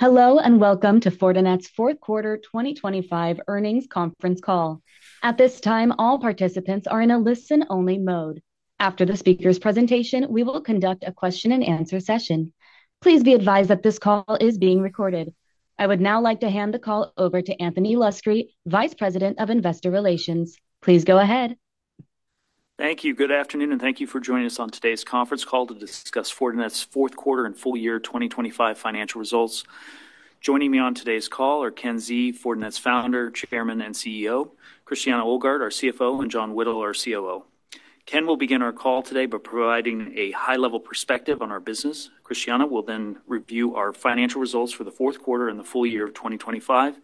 Hello and welcome to Fortinet's Fourth Quarter 2025 Earnings Conference Call. At this time, all participants are in a listen-only mode. After the speaker's presentation, we will conduct a question-and-answer session. Please be advised that this call is being recorded. I would now like to hand the call over to Anthony Luscri, Vice President of Investor Relations. Please go ahead. Thank you. Good afternoon, and thank you for joining us on today's conference call to discuss Fortinet's fourth quarter and full year 2025 financial results. Joining me on today's call are Ken Xie, Fortinet's Founder, Chairman, and CEO; Christiane Ohlgart, our CFO; and John Whittle, our COO. Ken will begin our call today by providing a high-level perspective on our business. Christiane will then review our financial results for the fourth quarter and the full year of 2025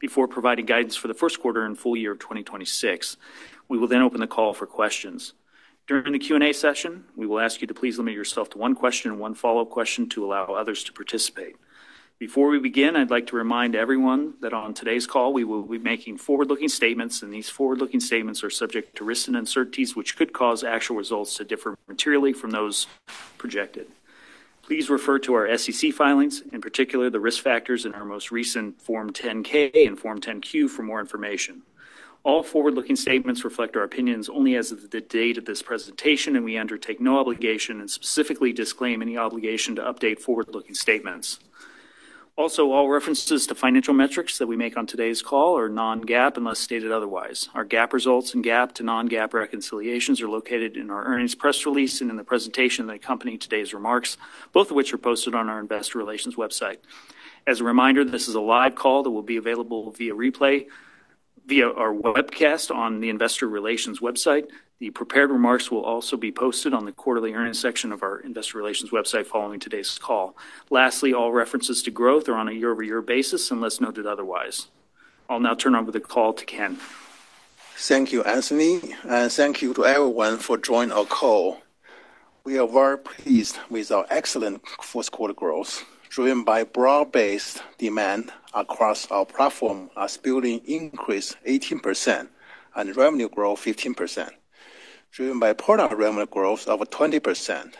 before providing guidance for the first quarter and full year of 2026. We will then open the call for questions. During the Q&A session, we will ask you to please limit yourself to one question and one follow-up question to allow others to participate. Before we begin, I'd like to remind everyone that on today's call we will be making forward-looking statements, and these forward-looking statements are subject to risks and uncertainties which could cause actual results to differ materially from those projected. Please refer to our SEC filings, in particular the risk factors in our most recent Form 10-K and Form 10-Q for more information. All forward-looking statements reflect our opinions only as of the date of this presentation, and we undertake no obligation and specifically disclaim any obligation to update forward-looking statements. Also, all references to financial metrics that we make on today's call are non-GAAP unless stated otherwise. Our GAAP results and GAAP to non-GAAP reconciliations are located in our earnings press release and in the presentation that accompany today's remarks, both of which are posted on our Investor Relations website. As a reminder, this is a live call that will be available via replay via our webcast on the Investor Relations website. The prepared remarks will also be posted on the quarterly earnings section of our Investor Relations website following today's call. Lastly, all references to growth are on a year-over-year basis unless noted otherwise. I'll now turn over the call to Ken. Thank you, Anthony, and thank you to everyone for joining our call. We are very pleased with our excellent first quarter growth. Driven by broad-based demand across our platform, our billings increased 18% and revenue growth 15%, driven by product revenue growth of 20%.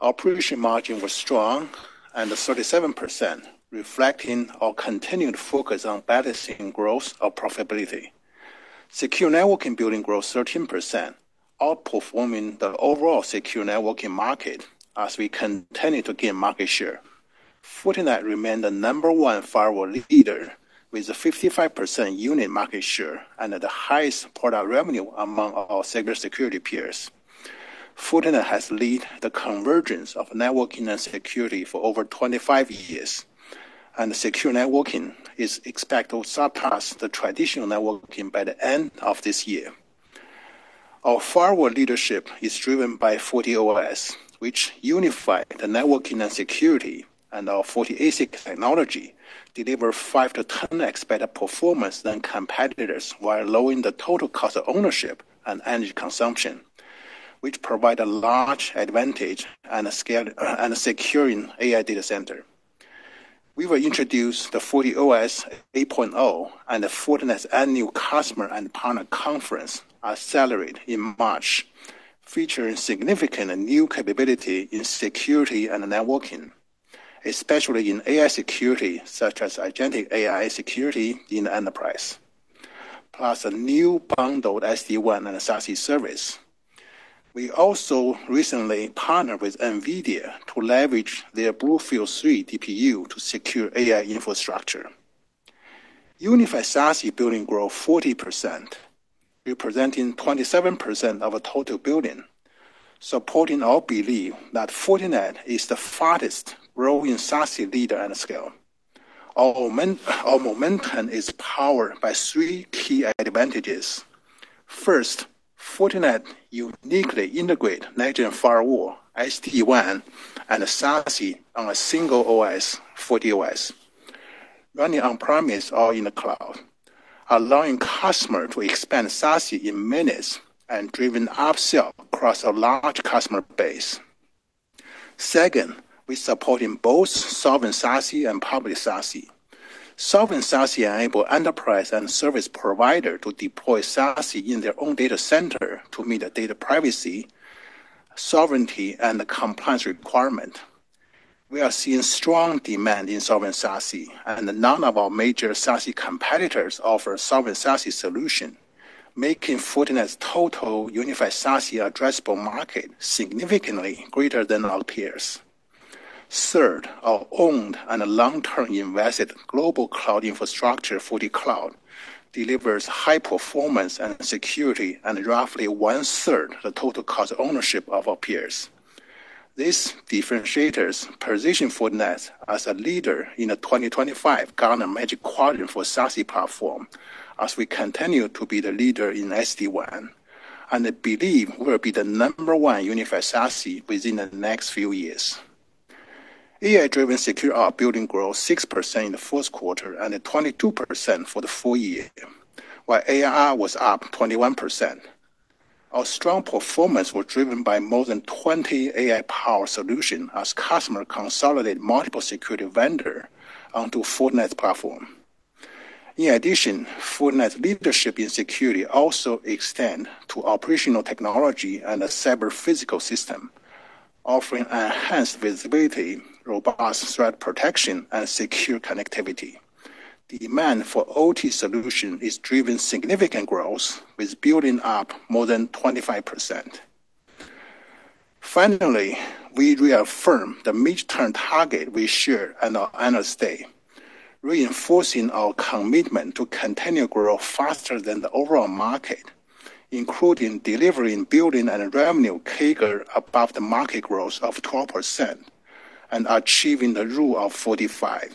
Our operating margin was strong at 37%, reflecting our continued focus on balancing growth and profitability. Secure Networking billings growth 13%, outperforming the overall secure networking market as we continue to gain market share. Fortinet remains the number one firewall leader with 55% unit market share and the highest product revenue among our cybersecurity peers. Fortinet has led the convergence of networking and security for over 25 years, and secure networking is expected to surpass the traditional networking by the end of this year. Our firewall leadership is driven by FortiOS, which unifies the networking and security, and our FortiASIC technology delivers 5-10x better performance than competitors while lowering the total cost of ownership and energy consumption, which provides a large advantage in securing AI data centers. We will introduce the FortiOS 8.0, and Fortinet's annual customer and partner conference is celebrated in March, featuring significant new capability in security and networking, especially in AI security such as agentic AI security in enterprise, plus a new bundled SD-WAN and SASE service. We also recently partnered with NVIDIA to leverage their BlueField-3 DPU to secure AI infrastructure. Unified SASE billing growth 40%, representing 27% of the total billing, supporting our belief that Fortinet is the fastest growing SASE leader on the scale. Our momentum is powered by three key advantages. First, Fortinet uniquely integrates leading firewall, SD-WAN, and SASE on a single OS, FortiOS, running on-premise or in the cloud, allowing customers to expand SASE in minutes and driving upsell across a large customer base. Second, we're supporting both sovereign SASE and public SASE. Sovereign SASE enables enterprise and service providers to deploy SASE in their own data centers to meet data privacy, sovereignty, and compliance requirements. We are seeing strong demand in sovereign SASE, and none of our major SASE competitors offer sovereign SASE solutions, making Fortinet's total unified SASE addressable market significantly greater than our peers. Third, our owned and long-term invested global cloud infrastructure, FortiCloud, delivers high performance and security at roughly one-third of the total cost of ownership of our peers. This differentiates positioning Fortinet as a leader in the 2025 Gartner Magic Quadrant for SASE platform as we continue to be the leader in SD-WAN, and I believe we will be the number one unified SASE within the next few years. AI-driven SecOps billings growth 6% in the fourth quarter and 22% for the full year, while ARR was up 21%. Our strong performance was driven by more than 20 AI-powered solutions as customers consolidated multiple security vendors onto Fortinet's platform. In addition, Fortinet's leadership in security also extends to operational technology and cyber-physical systems, offering enhanced visibility, robust threat protection, and secure connectivity. Demand for OT solutions is driving significant growth, with billings up more than 25%. Finally, we reaffirm the midterm target we share and our annual guidance, reinforcing our commitment to continue to grow faster than the overall market, including delivering billings and revenue CAGR above the market growth of 12% and achieving the Rule of 45.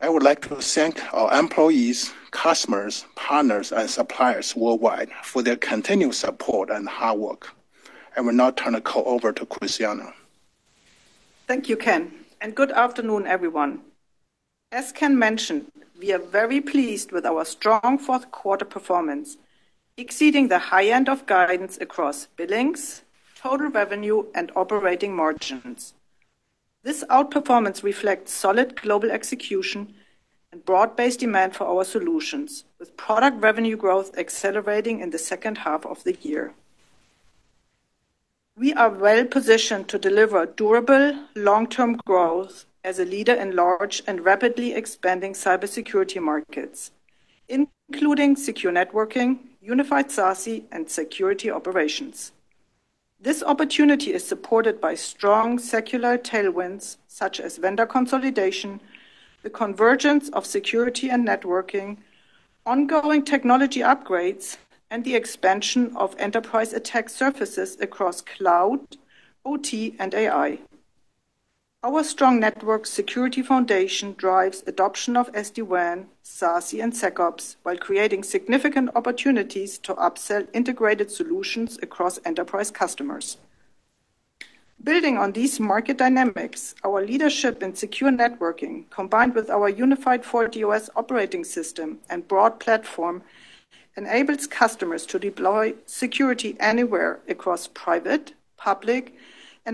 I would like to thank our employees, customers, partners, and suppliers worldwide for their continued support and hard work. I will now turn the call over to Christiane. Thank you, Ken, and good afternoon, everyone. As Ken mentioned, we are very pleased with our strong fourth quarter performance, exceeding the high end of guidance across billings, total revenue, and operating margins. This outperformance reflects solid global execution and broad-based demand for our solutions, with product revenue growth accelerating in the second half of the year. We are well-positioned to deliver durable, long-term growth as a leader in large and rapidly expanding cybersecurity markets, including Secure Networking, Unified SASE, and security operations. This opportunity is supported by strong secular tailwinds such as vendor consolidation, the convergence of security and networking, ongoing technology upgrades, and the expansion of enterprise attack surfaces across cloud, OT, and AI. Our strong network security foundation drives adoption of SD-WAN, SASE, and SecOps while creating significant opportunities to upsell integrated solutions across enterprise customers. Building on these market dynamics, our leadership in secure networking, combined with our unified FortiOS operating system and broad platform, enables customers to deploy security anywhere across private, public, and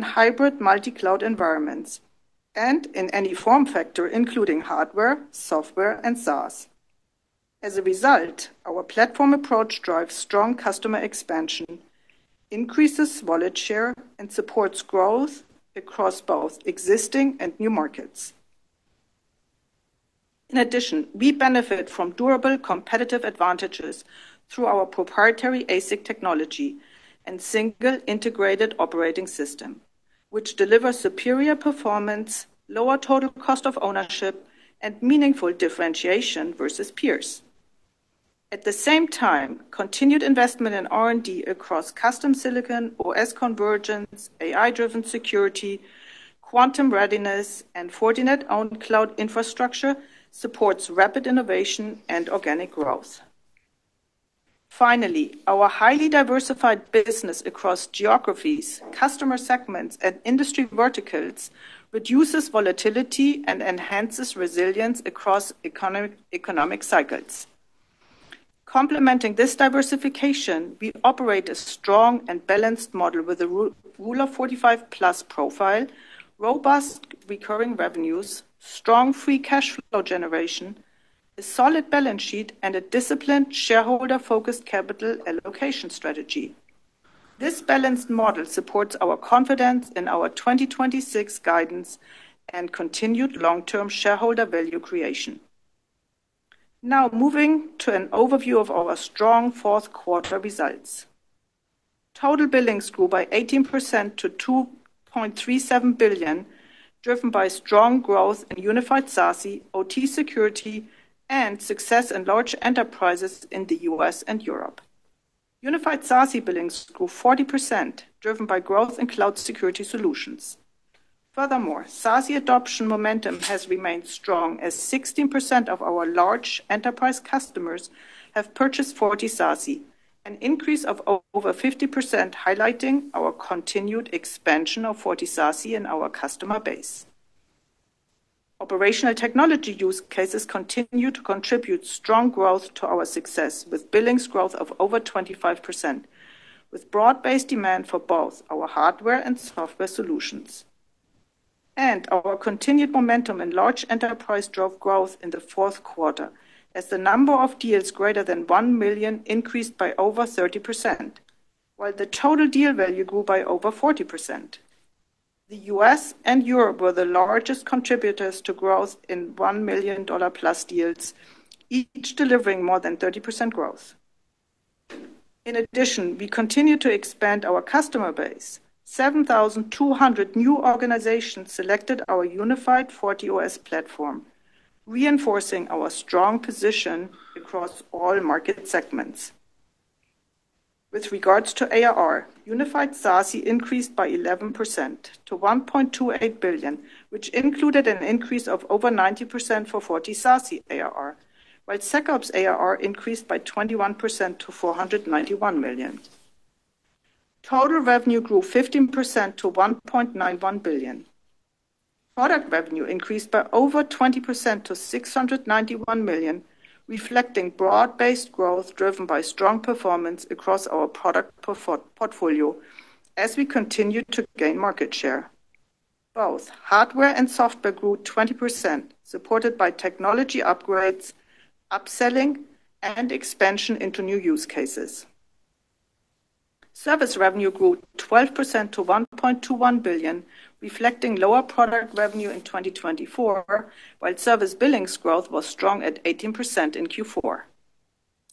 hybrid multi-cloud environments and in any form factor, including hardware, software, and SaaS. As a result, our platform approach drives strong customer expansion, increases wallet share, and supports growth across both existing and new markets. In addition, we benefit from durable competitive advantages through our proprietary ASIC technology and single integrated operating system, which delivers superior performance, lower total cost of ownership, and meaningful differentiation versus peers. At the same time, continued investment in R&D across custom silicon, OS convergence, AI-driven security, quantum readiness, and Fortinet-owned cloud infrastructure supports rapid innovation and organic growth. Finally, our highly diversified business across geographies, customer segments, and industry verticals reduces volatility and enhances resilience across economic cycles. Complementing this diversification, we operate a strong and balanced model with a Rule of 45-plus profile, robust recurring revenues, strong free cash flow generation, a solid balance sheet, and a disciplined shareholder-focused capital allocation strategy. This balanced model supports our confidence in our 2026 guidance and continued long-term shareholder value creation. Now, moving to an overview of our strong fourth quarter results. Total billings grew by 18% to $2.37 billion, driven by strong growth in Unified SASE, OT security, and success in large enterprises in the US and Europe. Unified SASE billings grew 40%, driven by growth in cloud security solutions. Furthermore, SASE adoption momentum has remained strong, as 16% of our large enterprise customers have purchased FortiSASE, an increase of over 50% highlighting our continued expansion of FortiSASE in our customer base. Operational technology use cases continue to contribute strong growth to our success, with billings growth of over 25%, with broad-based demand for both our hardware and software solutions. Our continued momentum in large enterprise drove growth in the fourth quarter, as the number of deals greater than $1 million increased by over 30%, while the total deal value grew by over 40%. The U.S. and Europe were the largest contributors to growth in $1 million-plus deals, each delivering more than 30% growth. In addition, we continue to expand our customer base. 7,200 new organizations selected our unified FortiOS platform, reinforcing our strong position across all market segments. With regards to ARR, unified SASE increased by 11% to $1.28 billion, which included an increase of over 90% for FortiSASE ARR, while SecOps ARR increased by 21% to $491 million. Total revenue grew 15% to $1.91 billion. Product revenue increased by over 20% to $691 million, reflecting broad-based growth driven by strong performance across our product portfolio as we continue to gain market share. Both hardware and software grew 20%, supported by technology upgrades, upselling, and expansion into new use cases. Service revenue grew 12% to $1.21 billion, reflecting lower product revenue in 2024, while service billings growth was strong at 18% in Q4.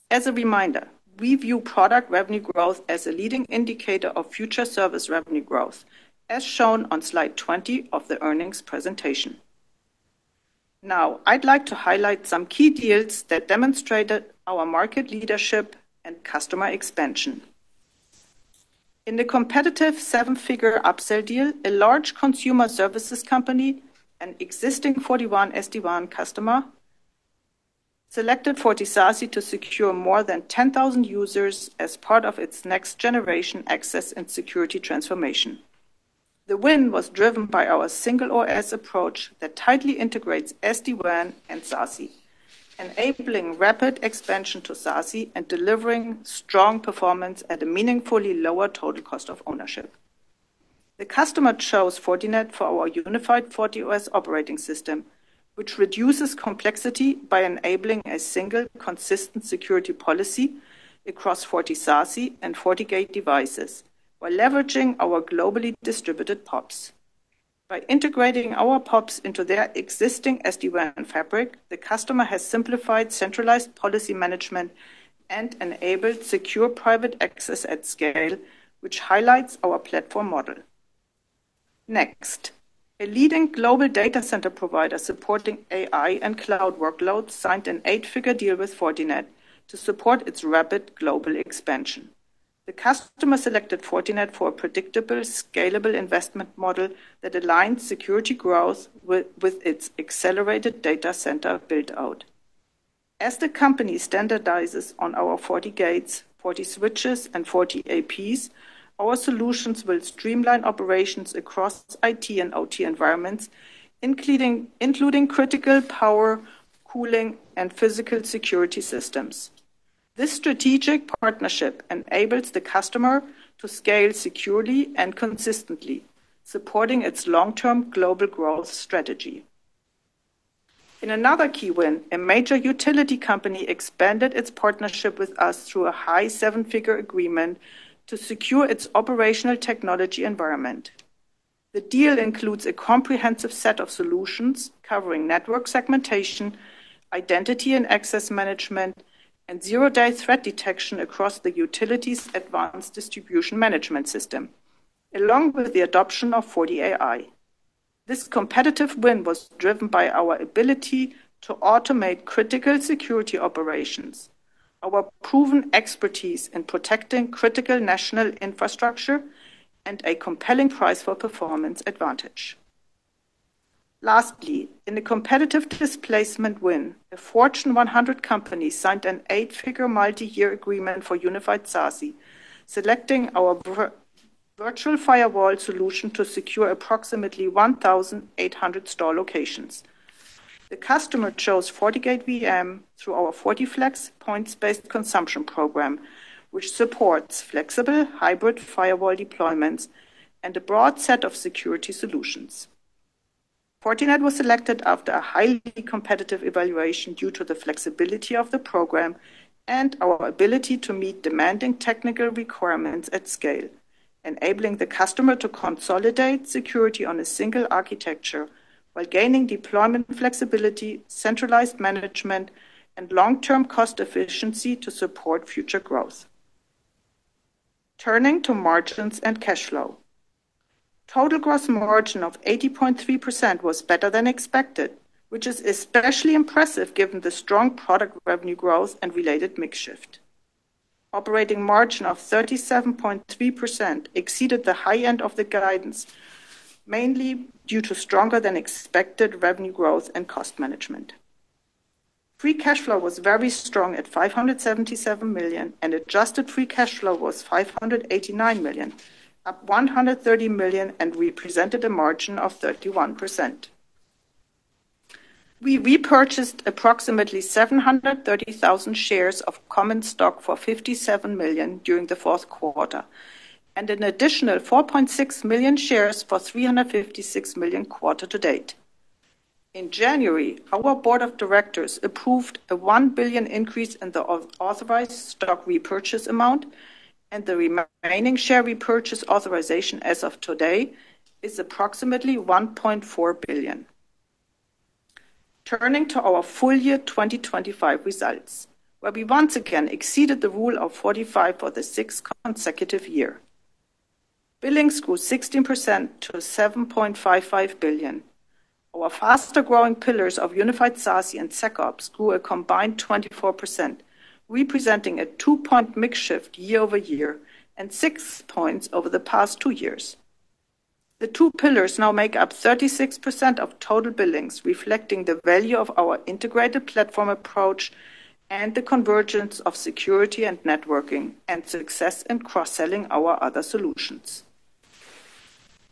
As a reminder, we view product revenue growth as a leading indicator of future service revenue growth, as shown on slide 20 of the earnings presentation. Now, I'd like to highlight some key deals that demonstrated our market leadership and customer expansion. In the competitive seven-figure upsell deal, a large consumer services company, an existing Forti SD-WAN customer, selected FortiSASE to secure more than 10,000 users as part of its next-generation access and security transformation. The win was driven by our single OS approach that tightly integrates SD-WAN and SASE, enabling rapid expansion to SASE and delivering strong performance at a meaningfully lower total cost of ownership. The customer chose Fortinet for our unified FortiOS operating system, which reduces complexity by enabling a single, consistent security policy across FortiSASE and FortiGate devices, while leveraging our globally distributed POPs. By integrating our POPs into their existing SD-WAN fabric, the customer has simplified centralized policy management and enabled secure private access at scale, which highlights our platform model. Next, a leading global data center provider supporting AI and cloud workloads signed an eight-figure deal with Fortinet to support its rapid global expansion. The customer selected Fortinet for a predictable, scalable investment model that aligns security growth with its accelerated data center build-out. As the company standardizes on our FortiGates, FortiSwitches, and FortiAPs, our solutions will streamline operations across IT and OT environments, including critical power, cooling, and physical security systems. This strategic partnership enables the customer to scale securely and consistently, supporting its long-term global growth strategy. In another key win, a major utility company expanded its partnership with us through a high seven-figure $ agreement to secure its operational technology environment. The deal includes a comprehensive set of solutions covering network segmentation, identity and access management, and zero-day threat detection across the utility's advanced distribution management system, along with the adoption of FortiAI. This competitive win was driven by our ability to automate critical security operations, our proven expertise in protecting critical national infrastructure, and a compelling price-for-performance advantage. Lastly, in a competitive displacement win, a Fortune 100 company signed an eight-figure multi-year agreement for Unified SASE, selecting our virtual firewall solution to secure approximately 1,800 store locations. The customer chose FortiGate VM through our FortiFlex points-based consumption program, which supports flexible hybrid firewall deployments and a broad set of security solutions. Fortinet was selected after a highly competitive evaluation due to the flexibility of the program and our ability to meet demanding technical requirements at scale, enabling the customer to consolidate security on a single architecture while gaining deployment flexibility, centralized management, and long-term cost efficiency to support future growth. Turning to margins and cash flow. Total gross margin of 80.3% was better than expected, which is especially impressive given the strong product revenue growth and related mix shift. Operating margin of 37.3% exceeded the high end of the guidance, mainly due to stronger-than-expected revenue growth and cost management. Free cash flow was very strong at $577 million, and adjusted free cash flow was $589 million, up $130 million, and represented a margin of 31%. We repurchased approximately 730,000 shares of common stock for $57 million during the fourth quarter and an additional 4.6 million shares for $356 million quarter to date. In January, our board of directors approved a $1 billion increase in the authorized stock repurchase amount, and the remaining share repurchase authorization as of today is approximately $1.4 billion. Turning to our full year 2025 results, where we once again exceeded the Rule of 45 for the sixth consecutive year. Billings grew 16% to $7.55 billion. Our faster-growing pillars of Unified SASE and SecOps grew a combined 24%, representing a two-point mix shift year-over-year and six points over the past two years. The two pillars now make up 36% of total billings, reflecting the value of our integrated platform approach and the convergence of security and networking and success in cross-selling our other solutions.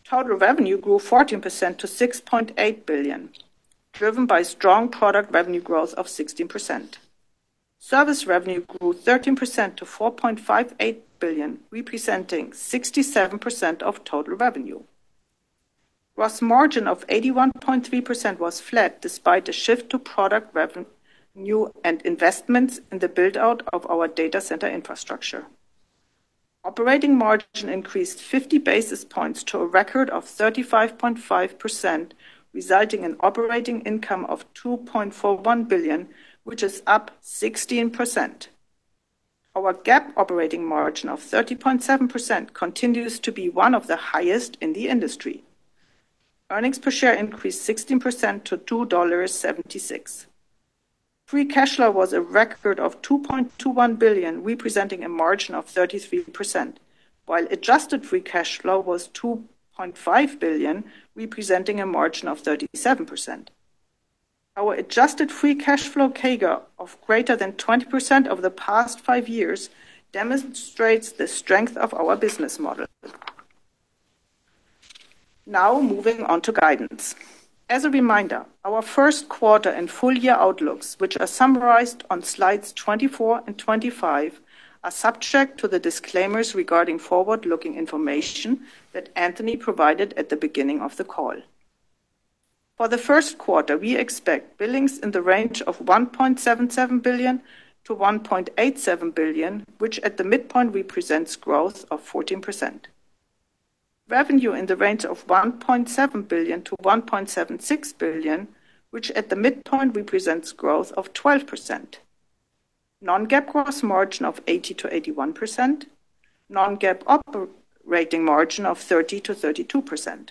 Total revenue grew 14% to $6.8 billion, driven by strong product revenue growth of 16%. Service revenue grew 13% to $4.58 billion, representing 67% of total revenue. Gross margin of 81.3% was flat despite a shift to product revenue and investments in the build-out of our data center infrastructure. Operating margin increased 50 basis points to a record of 35.5%, resulting in operating income of $2.41 billion, which is up 16%. Our GAAP operating margin of 30.7% continues to be one of the highest in the industry. Earnings per share increased 16% to $2.76. Free cash flow was a record of $2.21 billion, representing a margin of 33%, while adjusted free cash flow was $2.5 billion, representing a margin of 37%. Our adjusted free cash flow CAGR of greater than 20% of the past five years demonstrates the strength of our business model. Now, moving on to guidance. As a reminder, our first quarter and full year outlooks, which are summarized on slides 24 and 25, are subject to the disclaimers regarding forward-looking information that Anthony provided at the beginning of the call. For the first quarter, we expect billings in the range of $1.77 billion-$1.87 billion, which at the midpoint represents growth of 14%. Revenue in the range of $1.7 billion-$1.76 billion, which at the midpoint represents growth of 12%. Non-GAAP gross margin of 80%-81%. Non-GAAP operating margin of 30%-32%.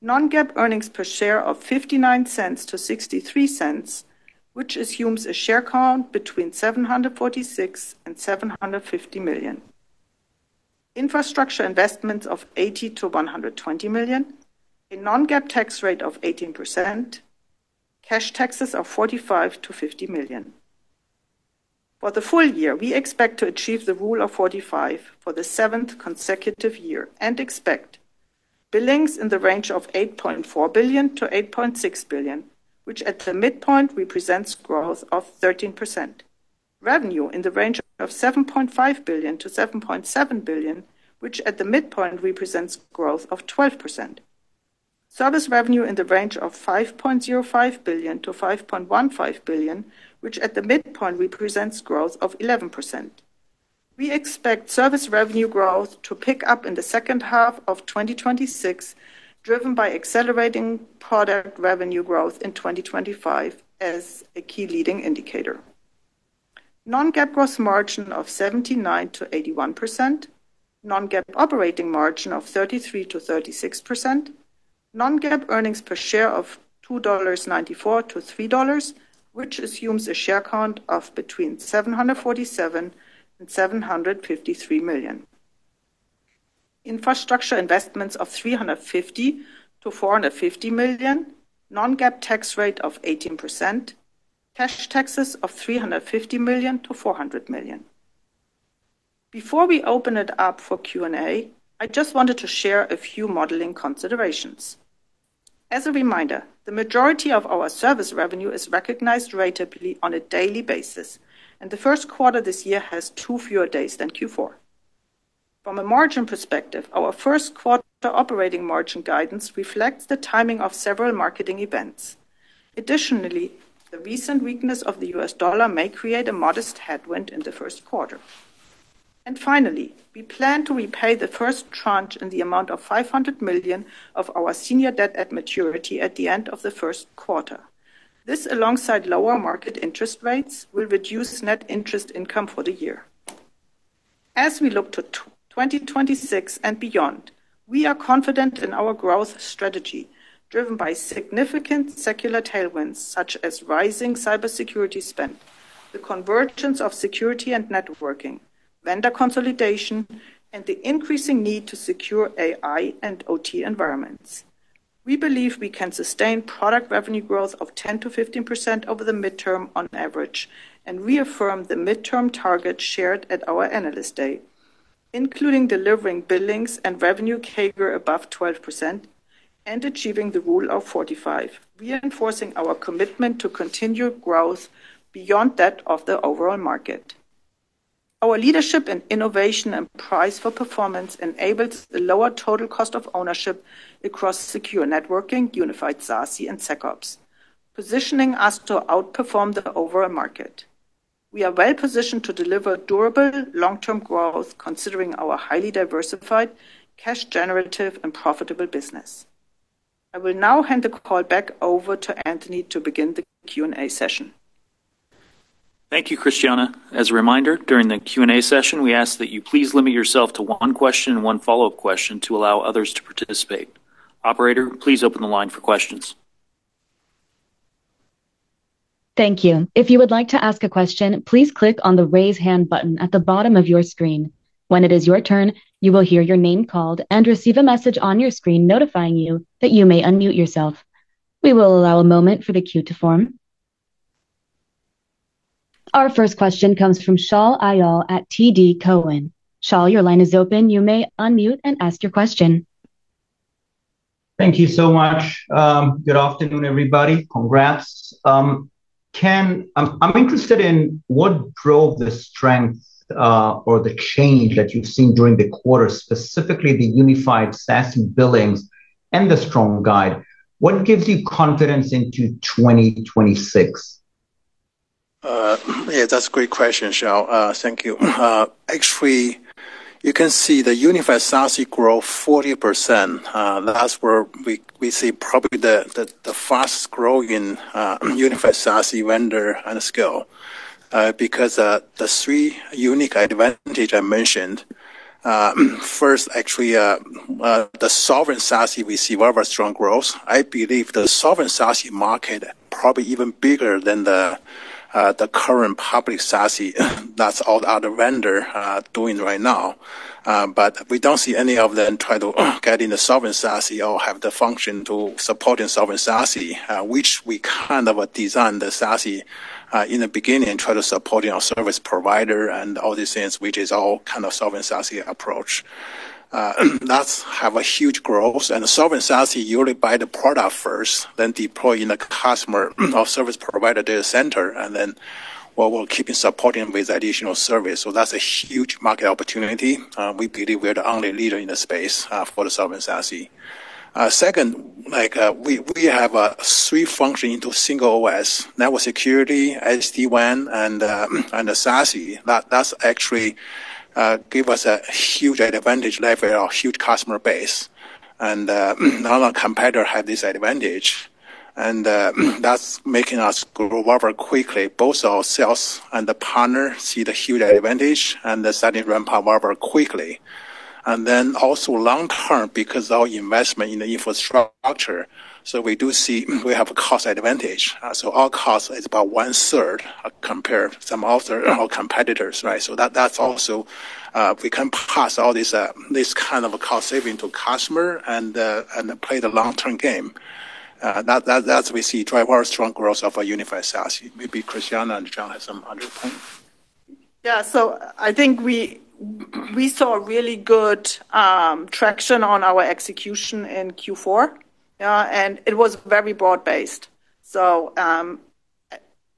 Non-GAAP earnings per share of $0.59-$0.63, which assumes a share count between 746 million-750 million. Infrastructure investments of $80 million-$120 million. A Non-GAAP tax rate of 18%. Cash taxes of $45 million-$50 million. For the full year, we expect to achieve the Rule of 45 for the seventh consecutive year and expect billings in the range of $8.4 billion-$8.6 billion, which at the midpoint represents growth of 13%. Revenue in the range of $7.5 billion-$7.7 billion, which at the midpoint represents growth of 12%. Service revenue in the range of $5.05 billion-$5.15 billion, which at the midpoint represents growth of 11%. We expect service revenue growth to pick up in the second half of 2026, driven by accelerating product revenue growth in 2025 as a key leading indicator. Non-GAAP gross margin of 79%-81%. Non-GAAP operating margin of 33%-36%. Non-GAAP earnings per share of $2.94-$3, which assumes a share count of between 747 and 753 million. Infrastructure investments of $350-$450 million. Non-GAAP tax rate of 18%. Cash taxes of $350-$400 million. Before we open it up for Q&A, I just wanted to share a few modeling considerations. As a reminder, the majority of our service revenue is recognized ratably on a daily basis, and the first quarter this year has two fewer days than Q4. From a margin perspective, our first quarter operating margin guidance reflects the timing of several marketing events. Additionally, the recent weakness of the U.S. dollar may create a modest headwind in the first quarter. Finally, we plan to repay the first tranche in the amount of $500 million of our senior debt at maturity at the end of the first quarter. This, alongside lower market interest rates, will reduce net interest income for the year. As we look to 2026 and beyond, we are confident in our growth strategy, driven by significant secular tailwinds such as rising cybersecurity spend, the convergence of security and networking, vendor consolidation, and the increasing need to secure AI and OT environments. We believe we can sustain product revenue growth of 10%-15% over the midterm on average and reaffirm the midterm target shared at our analyst day, including delivering billings and revenue CAGR above 12% and achieving the Rule of 45, reinforcing our commitment to continue growth beyond that of the overall market. Our leadership in innovation and price-for-performance enables the lower total cost of ownership across Secure Networking, Unified SASE, and SecOps, positioning us to outperform the overall market. We are well positioned to deliver durable, long-term growth, considering our highly diversified, cash-generative, and profitable business. I will now hand the call back over to Anthony to begin the Q&A session. Thank you, Christiane. As a reminder, during the Q&A session, we ask that you please limit yourself to one question and one follow-up question to allow others to participate. Operator, please open the line for questions. Thank you. If you would like to ask a question, please click on the Raise Hand button at the bottom of your screen. When it is your turn, you will hear your name called and receive a message on your screen notifying you that you may unmute yourself. We will allow a moment for the queue to form. Our first question comes from Shaul Eyal at TD Cowen. Shaul, your line is open. You may unmute and ask your question. Thank you so much. Good afternoon, everybody. Congrats. I'm interested in what drove the strength or the change that you've seen during the quarter, specifically the Unified SASE billings and the strong guide. What gives you confidence into 2026? Yeah, that's a great question, Shaul. Thank you. Actually, you can see the Unified SASE grow 40%. That's where we see probably the fastest growing Unified SASE vendor and scale because the three unique advantages I mentioned. First, actually, the Sovereign SASE we see very strong growth. I believe the Sovereign SASE market, probably even bigger than the current public SASE, that's all the other vendors doing right now. But we don't see any of them try to get in the Sovereign SASE or have the function to support in Sovereign SASE, which we kind of designed the SASE in the beginning and try to support in our service provider and all these things, which is all kind of Sovereign SASE approach. That's have a huge growth. Sovereign SASE usually buy the product first, then deploy in the customer or service provider data center, and then we'll keep supporting with additional service. So that's a huge market opportunity. We believe we're the only leader in the space for the sovereign SASE. Second, we have three functions into single OS: network security, SD-WAN, and SASE. That actually gives us a huge advantage level or huge customer base. None of our competitors have this advantage. That's making us grow very quickly. Both our sales and the partners see the huge advantage and suddenly ramp up very quickly. Then also long-term because of our investment in the infrastructure. So we do see we have a cost advantage. So our cost is about one-third compared to some of our competitors, right? So that's also we can pass all this kind of cost saving to customer and play the long-term game. That's we see drive our strong growth of our Unified SASE. Maybe Christiane and John have some other points. Yeah. So I think we saw really good traction on our execution in Q4, and it was very broad-based. So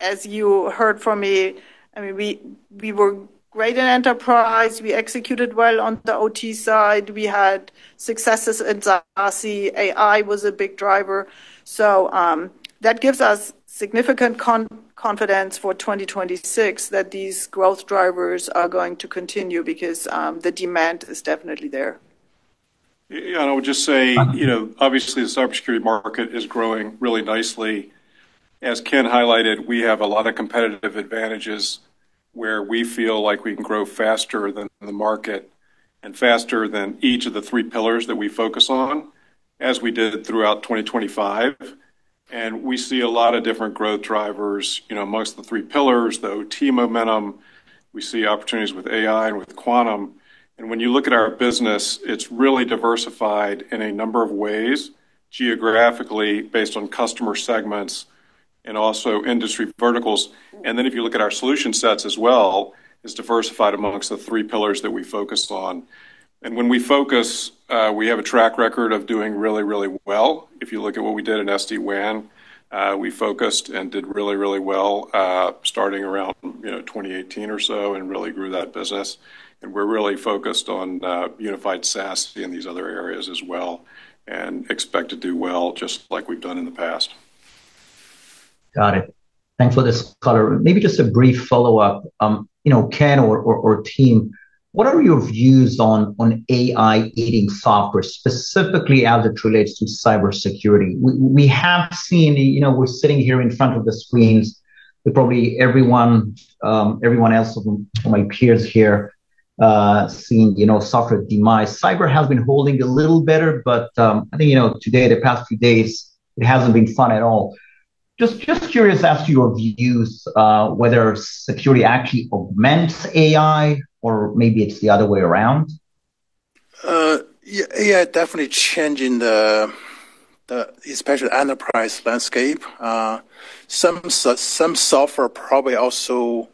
as you heard from me, I mean, we were great in enterprise. We executed well on the OT side. We had successes in SASE. AI was a big driver. So that gives us significant confidence for 2026 that these growth drivers are going to continue because the demand is definitely there. Yeah. And I would just say, obviously, the cybersecurity market is growing really nicely. As Ken highlighted, we have a lot of competitive advantages where we feel like we can grow faster than the market and faster than each of the three pillars that we focus on as we did throughout 2025. And we see a lot of different growth drivers amongst the three pillars, the OT momentum. We see opportunities with AI and with quantum. And when you look at our business, it's really diversified in a number of ways, geographically based on customer segments and also industry verticals. And then if you look at our solution sets as well, it's diversified amongst the three pillars that we focus on. And when we focus, we have a track record of doing really, really well. If you look at what we did in SD-WAN, we focused and did really, really well starting around 2018 or so and really grew that business. We're really focused on Unified SASE in these other areas as well and expect to do well just like we've done in the past. Got it. Thanks for this color. Maybe just a brief follow-up. Ken or team, what are your views on AI-eating software, specifically as it relates to cybersecurity? We have seen we're sitting here in front of the screens. Probably everyone else from my peers here seen software demise. Cyber has been holding a little better, but I think today, the past few days, it hasn't been fun at all. Just curious as to your views whether security actually augments AI or maybe it's the other way around. Yeah, definitely changing, especially the enterprise landscape. Some software probably also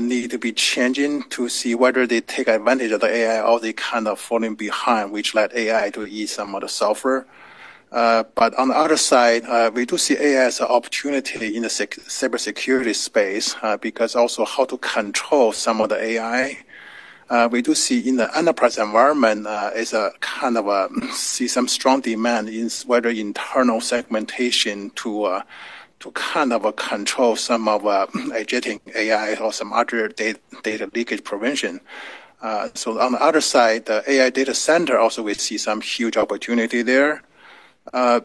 need to be changing to see whether they take advantage of the AI or they kind of falling behind, which let AI to eat some of the software. But on the other side, we do see AI as an opportunity in the cybersecurity space because also how to control some of the AI. We do see in the enterprise environment as a kind of see some strong demand in whether internal segmentation to kind of control some of agentic AI or some other data leakage prevention. So on the other side, the AI data center, also we see some huge opportunity there. I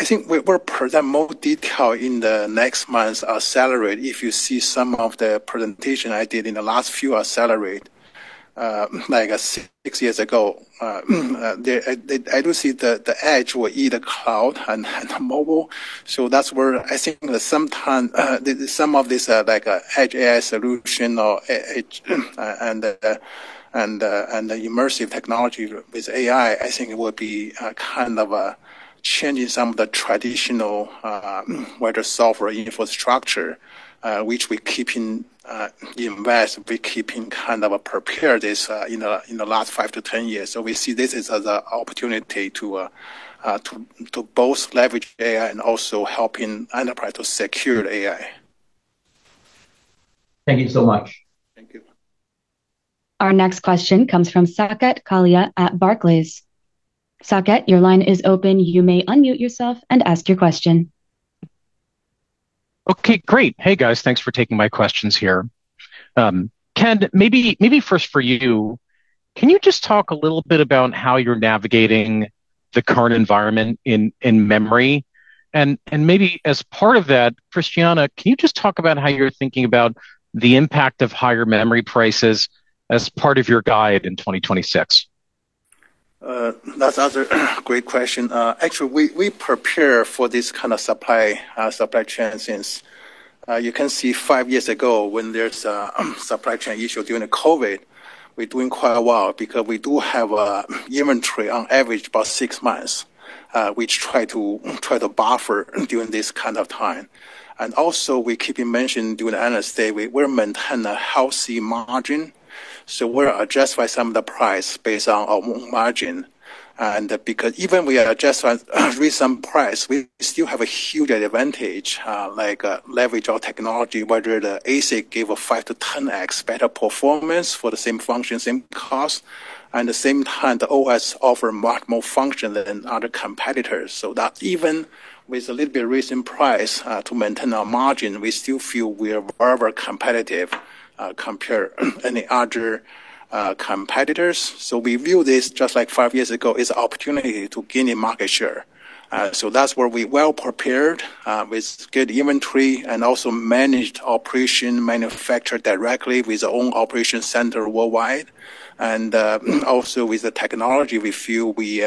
think we'll present more detail in the next month's Accelerate if you see some of the presentation I did in the last few Accelerate like six years ago. I do see the edge will eat the cloud and the mobile. So that's where I think that sometime some of these edge AI solution or edge and the immersive technology with AI, I think it will be kind of changing some of the traditional web software infrastructure, which we keep invested, we keeping kind of prepared this in the last 5-10 years. So we see this as an opportunity to both leverage AI and also helping enterprise to secure AI. Thank you so much. Thank you. Our next question comes from Saket Kalia at Barclays. Saket, your line is open. You may unmute yourself and ask your question. Okay, great. Hey, guys. Thanks for taking my questions here. Ken, maybe first for you, can you just talk a little bit about how you're navigating the current environment in memory? And maybe as part of that, Christiane, can you just talk about how you're thinking about the impact of higher memory prices as part of your guide in 2026? That's another great question. Actually, we prepare for this kind of supply chain things. You can see 5 years ago when there's a supply chain issue during COVID, we're doing quite well because we do have inventory on average about 6 months, which try to buffer during this kind of time. And also we keeping mentioning during the analyst day, we're maintaining a healthy margin. So we're adjusting some of the price based on our margin. And because even we adjust some price, we still have a huge advantage leverage our technology, whether the ASIC gave a 5-10x better performance for the same function, same cost. And at the same time, the OS offer much more function than other competitors. So even with a little bit recent price to maintain our margin, we still feel we are very competitive compared to any other competitors. So we view this just like 5 years ago as an opportunity to gain a market share. So that's where we're well prepared with good inventory and also managed operation manufacture directly with our own operation center worldwide. And also with the technology, we feel we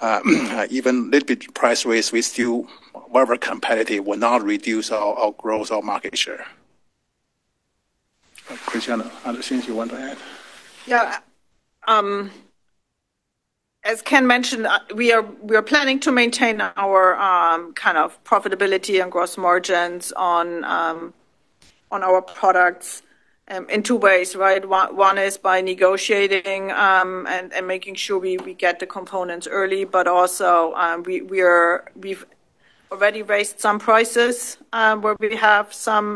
even a little bit price raise, we still very competitive, will not reduce our growth, our market share. Christiane, other things you want to add? Yeah. As Ken mentioned, we are planning to maintain our kind of profitability and gross margins on our products in two ways, right? One is by negotiating and making sure we get the components early, but also we've already raised some prices where we have some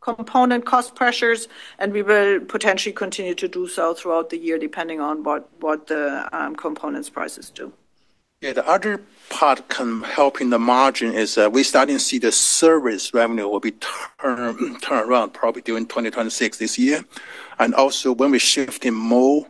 component cost pressures, and we will potentially continue to do so throughout the year depending on what the components prices do. Yeah. The other part can help in the margin is we're starting to see the service revenue will be turned around probably during 2026 this year. And also when we shift in more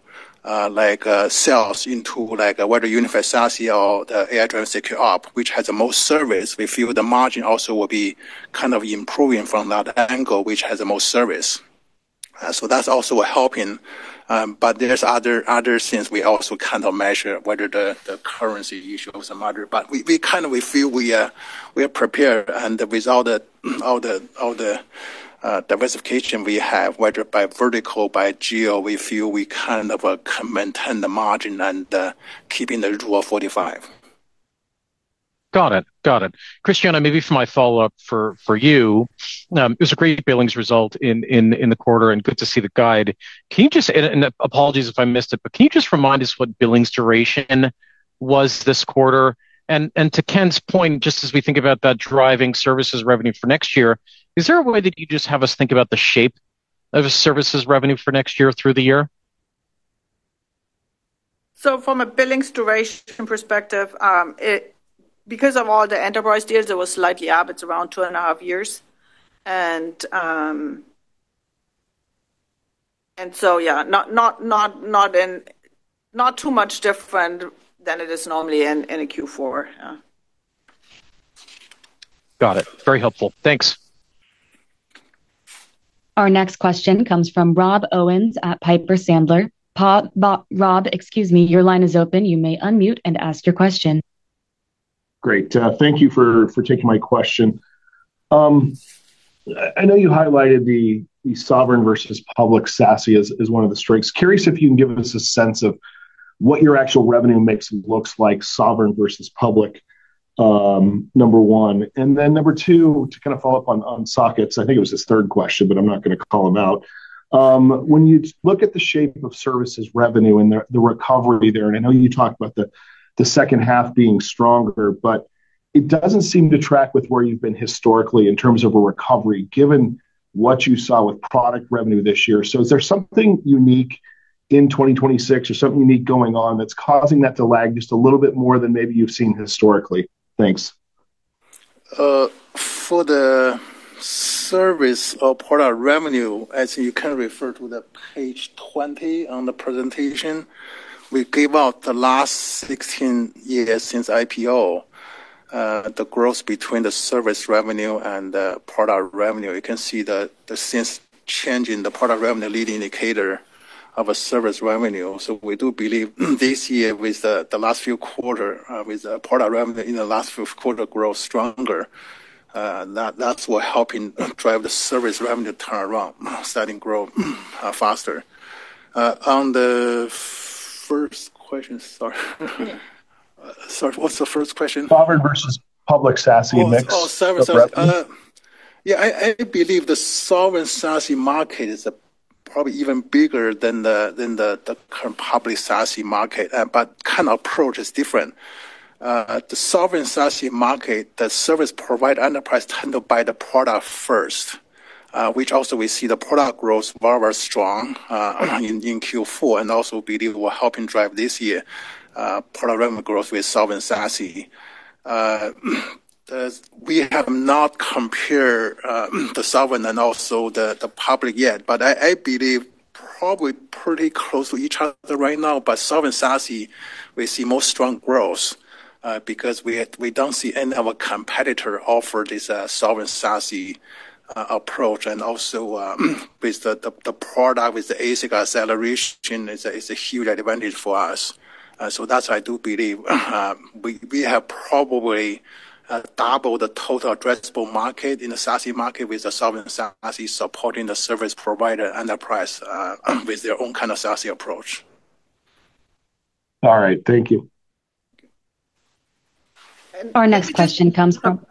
sales into whether Unified SASE or the AI-driven secure app, which has the most service, we feel the margin also will be kind of improving from that angle, which has the most service. So that's also helping. But there's other things we also kind of measure whether the currency issue of some other. But we kind of feel we are prepared. And without all the diversification we have, whether by vertical, by geo, we feel we kind of maintain the margin and keeping the Rule of 45. Got it. Got it. Christiane, maybe for my follow-up for you, it was a great billings result in the quarter and good to see the guide. Can you just, and apologies if I missed it, but can you just remind us what billings duration was this quarter? And to Ken's point, just as we think about that driving services revenue for next year, is there a way that you just have us think about the shape of services revenue for next year through the year? So from a billings duration perspective, because of all the enterprise deals, it was slightly up. It's around 2.5 years. And so yeah, not too much different than it is normally in a Q4. Got it. Very helpful. Thanks. Our next question comes from Rob Owens at Piper Sandler. Rob, excuse me, your line is open. You may unmute and ask your question. Great. Thank you for taking my question. I know you highlighted the Sovereign versus public SASE as one of the strengths. Curious if you can give us a sense of what your actual revenue mix looks like, Sovereign versus public, number one. And then number two, to kind of follow up on Saket's, I think it was his third question, but I'm not going to call him out. When you look at the shape of services revenue and the recovery there, and I know you talked about the second half being stronger, but it doesn't seem to track with where you've been historically in terms of a recovery given what you saw with product revenue this year. So is there something unique in 2026 or something unique going on that's causing that to lag just a little bit more than maybe you've seen historically? Thanks. For the service or product revenue, as you can refer to the page 20 on the presentation, we gave out the last 16 years since IPO, the growth between the service revenue and the product revenue. You can see the since changing the product revenue lead indicator of a service revenue. So we do believe this year with the last few quarter with the product revenue in the last few quarter grow stronger. That's what helping drive the service revenue turn around, starting grow faster. On the first question, sorry. Sorry, what's the first question? Sovereign versus public SASE mix, correct? Yeah. I believe the Sovereign SASE market is probably even bigger than the current public SASE market, but kind of approach is different. The Sovereign SASE market, the service provide enterprise handle by the product first, which also we see the product growth very strong in Q4 and also believe will helping drive this year product revenue growth with Sovereign SASE. We have not compared the sovereign and also the public yet, but I believe probably pretty close to each other right now. But Sovereign SASE, we see more strong growth because we don't see any of our competitor offer this Sovereign SASE approach. And also with the product with the ASIC acceleration, it's a huge advantage for us. So that's why I do believe we have probably doubled the total addressable market in the SASE market with the sovereign SASE supporting the service provider enterprise with their own kind of SASE approach. All right. Thank you. Our next question comes from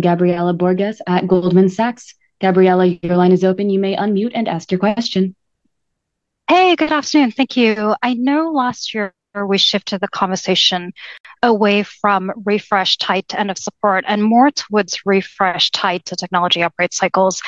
Gabriela Borges at Goldman Sachs. Gabriela, your line is open. You may unmute and ask your question. Hey, good afternoon. Thank you. I know last year we shifted the conversation away from refresh tied to end of support and more towards refresh tied to technology upgrade cycles.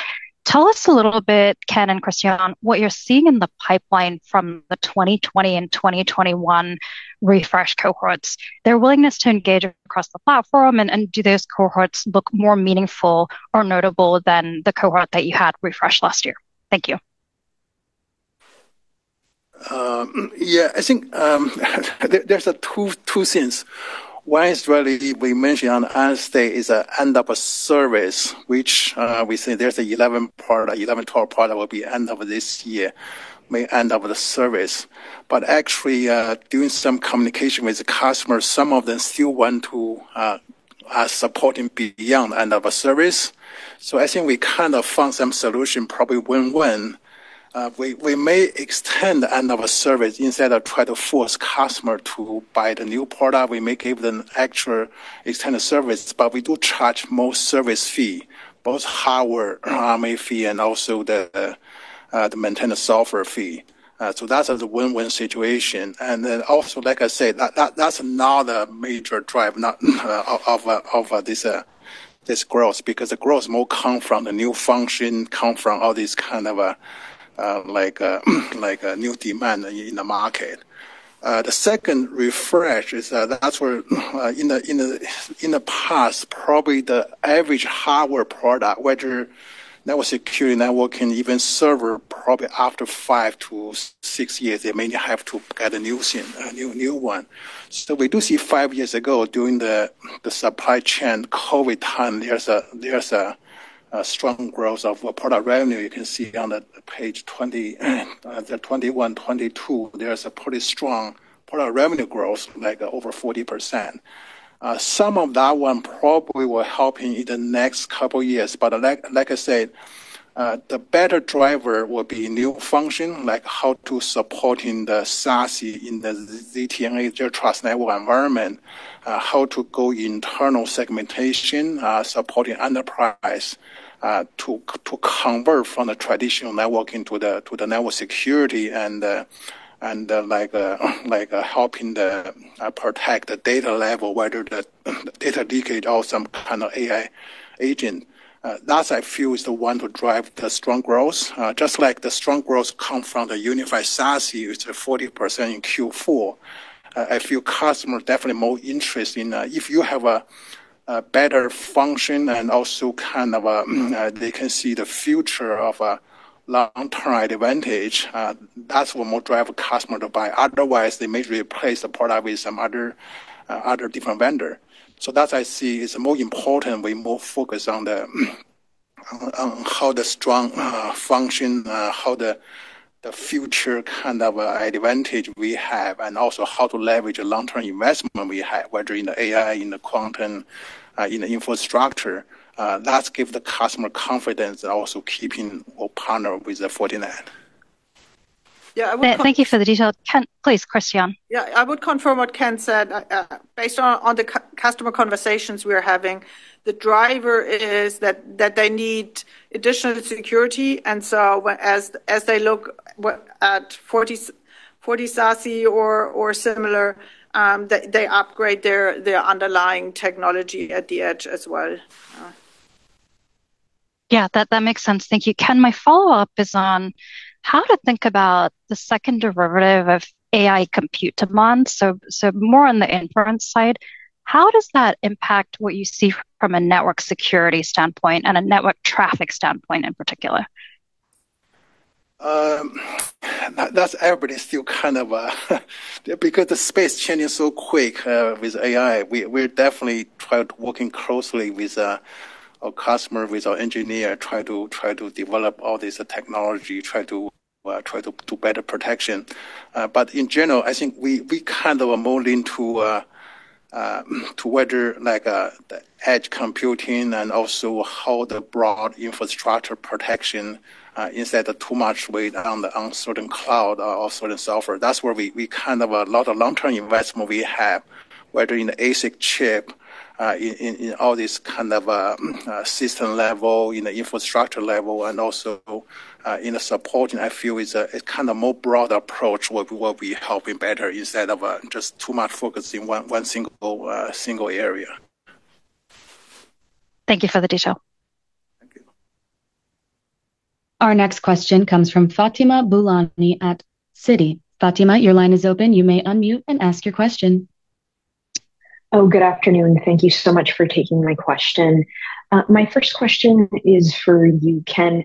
Tell us a little bit, Ken and Christiane, what you're seeing in the pipeline from the 2020 and 2021 refresh cohorts, their willingness to engage across the platform, and do those cohorts look more meaningful or notable than the cohort that you had refreshed last year? Thank you. Yeah. I think there are two things. One is really we mentioned on the Analyst Day is end of support, which we say there's 11%, 11%-12% that will be end of this year, end of support. But actually, doing some communication with the customers, some of them still want support beyond end of support. So I think we kind of found some solution probably win-win. We may extend the end of support instead of try to force customer to buy the new product. We may give them actual extended service, but we do charge more service fee, both hardware RMA fee and also the maintenance software fee. So that's a win-win situation. Then also, like I said, that's not a major drive of this growth because the growth more come from the new function, come from all these kind of new demand in the market. The second refresh is that's where in the past, probably the average hardware product, whether network security, networking, even server, probably after 5-6 years, they may have to get a new one. So we do see 5 years ago during the supply chain COVID time, there's a strong growth of product revenue. You can see on the page 20, 21, 22, there's a pretty strong product revenue growth like over 40%. Some of that one probably will helping in the next couple of years. But like I said, the better driver will be new function like how to supporting the SASE in the ZTNA Zero Trust Network environment, how to go internal segmentation, supporting enterprise to convert from the traditional networking to the network security and helping protect the data level, whether the data leakage or some kind of AI agent. That's I feel is the one to drive the strong growth. Just like the strong growth come from the unified SASE, it's a 40% in Q4. I feel customer definitely more interested in if you have a better function and also kind of they can see the future of a long-term advantage. That's what more drive customer to buy. Otherwise, they may replace the product with some other different vendor. So that's I see is more important. We more focus on how the strong function, how the future kind of advantage we have, and also how to leverage a long-term investment we have, whether in the AI, in the quantum, in the infrastructure. That's give the customer confidence also keeping our partner with the 49. Yeah. I would confirm. Thank you for the detail. Ken, please, Christiane. Yeah. I would confirm what Ken said. Based on the customer conversations we are having, the driver is that they need additional security. And so as they look at FortiSASE or similar, they upgrade their underlying technology at the edge as well. Yeah. That makes sense. Thank you. Ken, my follow-up is on how to think about the second derivative of AI compute demand. So more on the inference side, how does that impact what you see from a network security standpoint and a network traffic standpoint in particular? That's everybody still kind of because the space changing so quick with AI, we're definitely trying to working closely with our customer, with our engineer, try to develop all this technology, try to do better protection. But in general, I think we kind of are more leaned to whether the edge computing and also how the broad infrastructure protection instead of too much weight on the uncertain cloud or certain software. That's where we kind of a lot of long-term investment we have, whether in the ASIC chip, in all these kind of system level, in the infrastructure level, and also in the supporting. I feel it's kind of more broad approach what we helping better instead of just too much focusing one single area. Thank you for the detail. Thank you. Our next question comes from Fatima Boolani at Citi. Fatima, your line is open. You may unmute and ask your question. Oh, good afternoon. Thank you so much for taking my question. My first question is for you, Ken.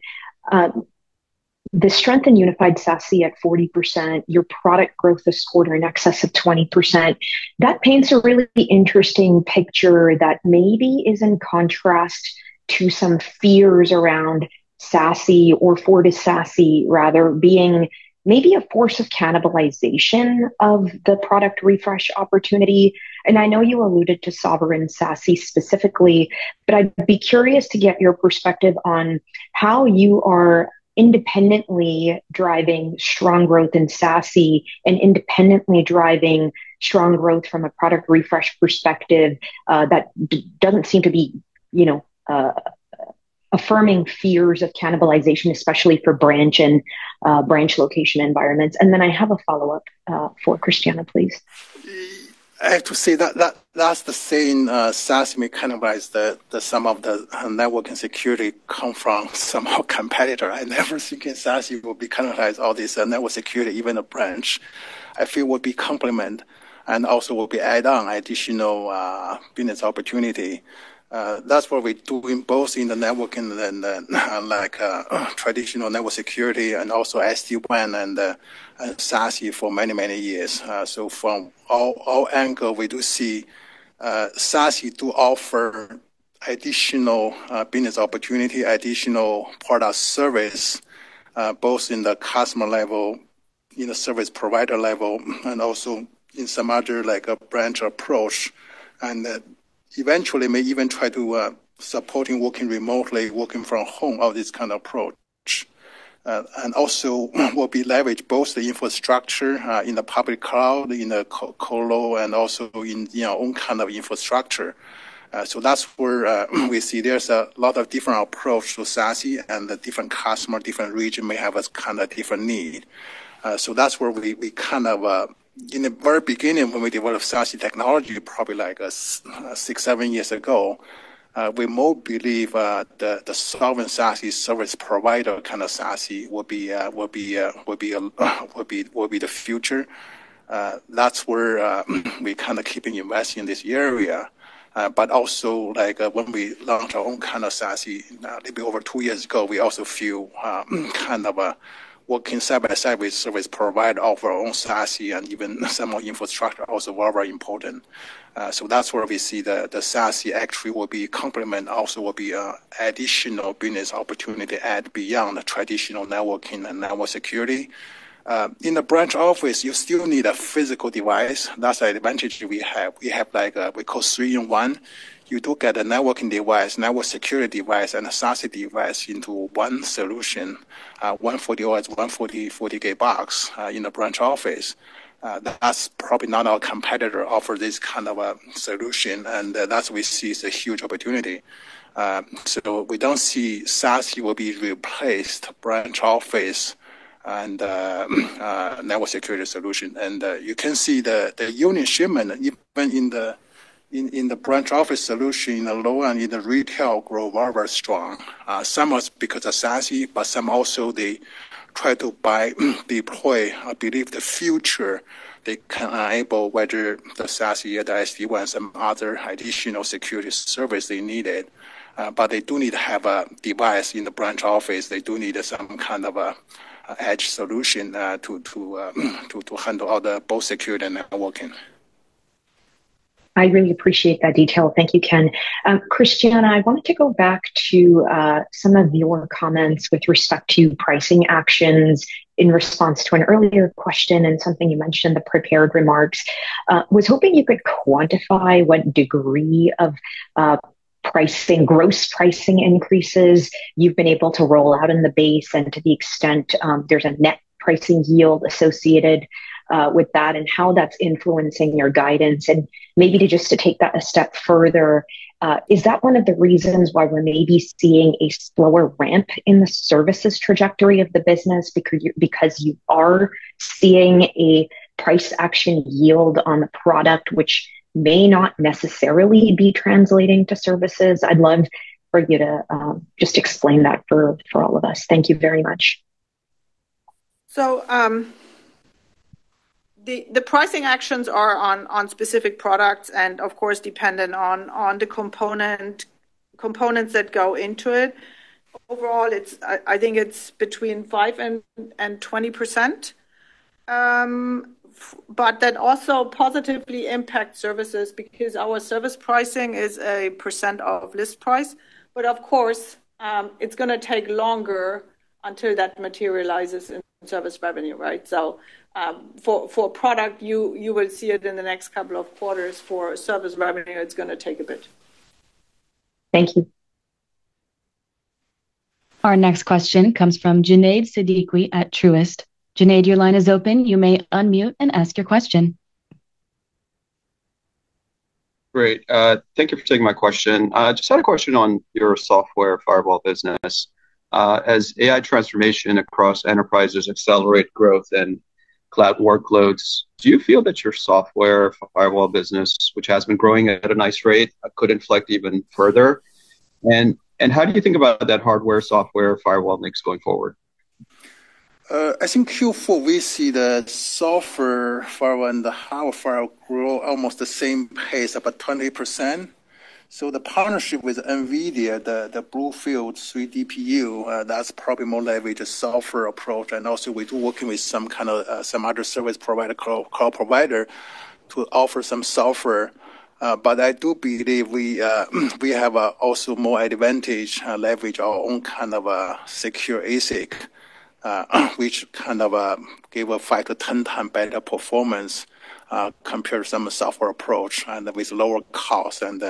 The strength in unified SASE at 40%, your product growth this quarter in excess of 20%, that paints a really interesting picture that maybe is in contrast to some fears around SASE or FortiSASE rather being maybe a force of cannibalization of the product refresh opportunity. And I know you alluded to sovereign SASE specifically, but I'd be curious to get your perspective on how you are independently driving strong growth in SASE and independently driving strong growth from a product refresh perspective that doesn't seem to be affirming fears of cannibalization, especially for branch and branch location environments. And then I have a follow-up for Christiane, please. I have to say that that's the same SASE cannibalize that some of the networking security come from some competitor. I never think in SASE will be cannibalized all this network security, even a branch. I feel will be complement and also will be add on additional business opportunity. That's what we're doing both in the networking and then traditional network security and also SD-WAN and SASE for many, many years. So from all angles, we do see SASE do offer additional business opportunity, additional product service both in the customer level, in the service provider level, and also in some other branch approach. And eventually, may even try to supporting working remotely, working from home, all this kind of approach. And also will be leveraged both the infrastructure in the public cloud, in the colo, and also in your own kind of infrastructure. So that's where we see there's a lot of different approach to SASE and the different customer, different region may have a kind of different need. So that's where we kind of in the very beginning when we developed SASE technology, probably like 6, 7 years ago, we more believe the Sovereign SASE service provider kind of SASE will be the future. That's where we kind of keeping investing in this area. But also when we launch our own kind of SASE, a little bit over 2 years ago, we also feel kind of working side by side with service provider offer our own SASE and even some of our infrastructure also very important. So that's where we see the SASE actually will be complement also will be additional business opportunity add beyond the traditional networking and network security. In the branch office, you still need a physical device. That's an advantage we have. We have like we call three-in-one. You do get a networking device, network security device, and a SASE device into one solution, one 40 or 140 FortiGates in the branch office. That's probably not our competitor offer this kind of a solution. And that's we see is a huge opportunity. So we don't see SASE will be replaced branch office and network security solution. And you can see the unit shipment even in the branch office solution in the low end, in the retail grow very strong. Some are because of SASE, but some also they try to buy, deploy, I believe the future they can enable whether the SASE or the SD-WAN, some other additional security service they needed. But they do need to have a device in the branch office. They do need some kind of an edge solution to handle all the both security and networking. I really appreciate that detail. Thank you, Ken. Christiane, I wanted to go back to some of your comments with respect to pricing actions in response to an earlier question and something you mentioned, the prepared remarks. Was hoping you could quantify what degree of gross pricing increases you've been able to roll out in the base and to the extent there's a net pricing yield associated with that and how that's influencing your guidance? And maybe to just take that a step further, is that one of the reasons why we're maybe seeing a slower ramp in the services trajectory of the business because you are seeing a price action yield on the product, which may not necessarily be translating to services? I'd love for you to just explain that for all of us. Thank you very much. The pricing actions are on specific products and, of course, dependent on the components that go into it. Overall, I think it's between 5% and 20%. That also positively impacts services because our service pricing is a % of list price. Of course, it's going to take longer until that materializes in service revenue, right? For a product, you will see it in the next couple of quarters. For service revenue, it's going to take a bit. Thank you. Our next question comes from Junaid Siddiqui at Truist. Junaid, your line is open. You may unmute and ask your question. Great. Thank you for taking my question. Just had a question on your software firewall business. As AI transformation across enterprises accelerate growth and cloud workloads, do you feel that your software firewall business, which has been growing at a nice rate, could inflect even further? And how do you think about that hardware, software, firewall mix going forward? I think Q4, we see the software firewall and the hardware firewall grow almost the same pace about 20%. So the partnership with NVIDIA, the BlueField-3 DPU, that's probably more leverage a software approach. And also we do working with some kind of some other service provider, cloud provider to offer some software. But I do believe we have also more advantage leverage our own kind of secure ASIC, which kind of gave a 5-10 time better performance compared to some software approach and with lower cost. And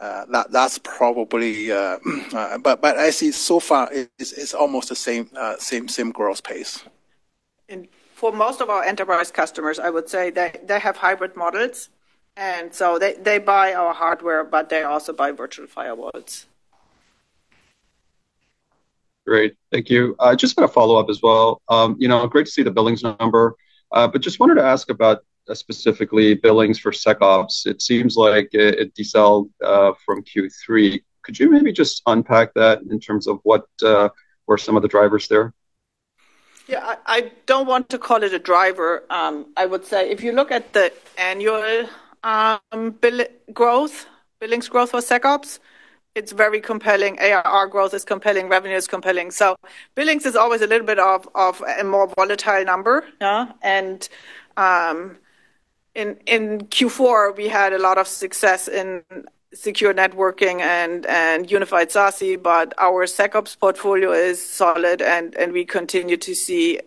that's probably but I see so far it's almost the same growth pace. For most of our enterprise customers, I would say they have hybrid models. So they buy our hardware, but they also buy virtual firewalls. Great. Thank you. Just got a follow-up as well. Great to see the billings number. But just wanted to ask about specifically billings for SecOps. It seems like it decelerated from Q3. Could you maybe just unpack that in terms of what were some of the drivers there? Yeah. I don't want to call it a driver. I would say if you look at the annual growth, billings growth for SecOps, it's very compelling. ARR growth is compelling. Revenue is compelling. So billings is always a little bit of a more volatile number. And in Q4, we had a lot of success in secure networking and unified SASE, but our SecOps portfolio is solid and we continue to see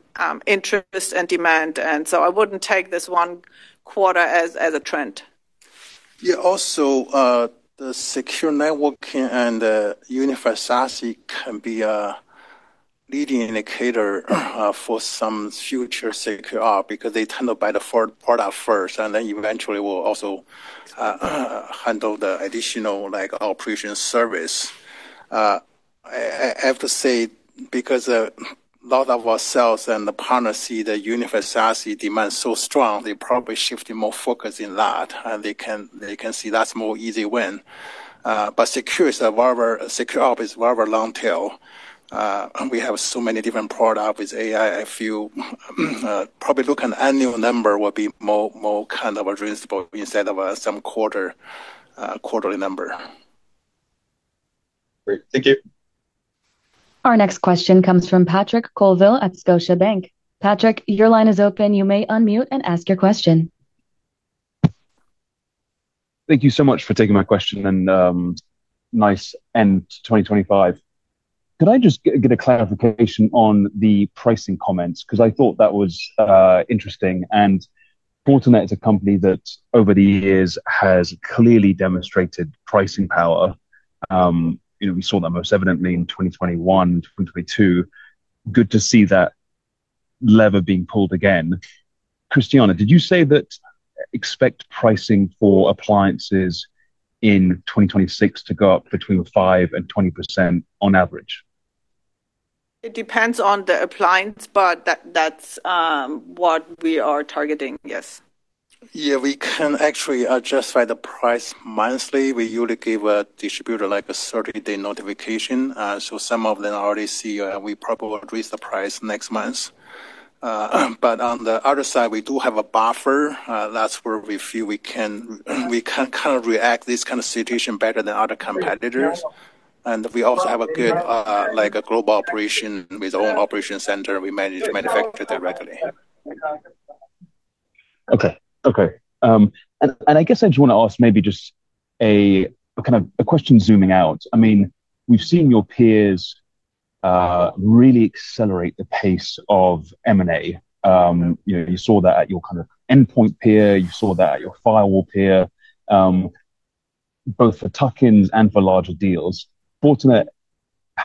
interest and demand. And so I wouldn't take this one quarter as a trend. Yeah. Also, the Secure Networking and Unified SASE can be a leading indicator for some future SecOps because they tend to buy the product first and then eventually will also handle the additional operation service. I have to say because a lot of our sales and the partners see the Unified SASE demand so strong, they probably shifting more focus in that. And they can see that's more easy win. But security is a very SecOps is very long tail. We have so many different products with AI. I feel probably looking at annual number will be more kind of adjustable instead of some quarterly number. Great. Thank you. Our next question comes from Patrick Colville at Scotiabank. Patrick, your line is open. You may unmute and ask your question. Thank you so much for taking my question and nice end to 2025. Could I just get a clarification on the pricing comments because I thought that was interesting? Fortinet is a company that over the years has clearly demonstrated pricing power. We saw that most evidently in 2021, 2022. Good to see that lever being pulled again. Christiane, did you say that expect pricing for appliances in 2026 to go up between 5% and 20% on average? It depends on the appliance, but that's what we are targeting. Yes. Yeah. We can actually adjust by the price monthly. We usually give a distributor like a 30-day notification. So some of them already see we probably will raise the price next month. But on the other side, we do have a buffer. That's where we feel we can kind of react this kind of situation better than other competitors. And we also have a good global operation with our own operation center. We manage manufacturer directly. Okay. Okay. And I guess I just want to ask maybe just kind of a question zooming out. I mean, we've seen your peers really accelerate the pace of M&A. You saw that at your kind of endpoint peer. You saw that at your firewall peer, both for tuck-ins and for larger deals. Fortinet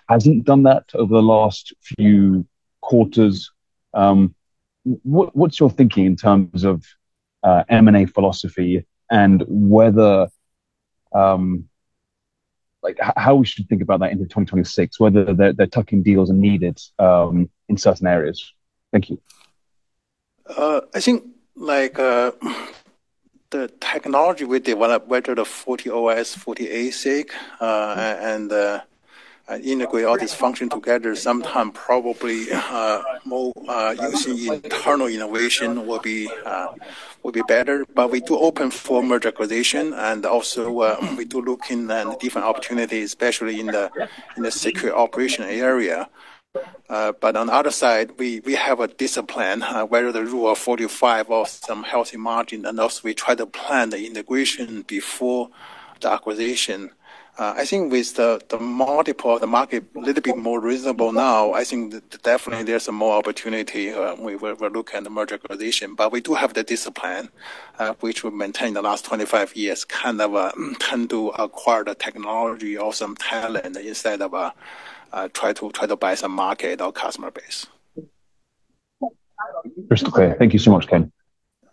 hasn't done that over the last few quarters. What's your thinking in terms of M&A philosophy and how we should think about that into 2026, whether they're tuck-in deals and need it in certain areas? Thank you. I think the technology we develop, whether the FortiOS, FortiASIC, and integrate all this function together, sometime probably more using internal innovation will be better. But we do open for merger acquisition. And also we do look in different opportunities, especially in the secure operation area. But on the other side, we have a discipline, whether the Rule of 45 or some healthy margin. And also we try to plan the integration before the acquisition. I think with the market a little bit more reasonable now, I think definitely there's more opportunity when we look at the merger acquisition. But we do have the discipline, which we maintained the last 25 years, kind of tend to acquire the technology or some talent instead of trying to buy some market or customer base. Christopher, thank you so much, Ken.